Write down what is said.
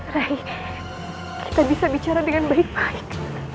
rai kita bisa bicara dengan baik baik